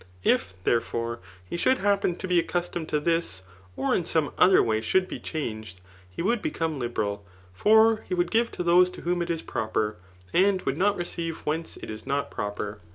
If, theteforie, he should happen to be accustomed to this, or m some other way should be changed, he would become liberal ; for he would give to diose to whom it is proper, and would not receive whence it is not proper.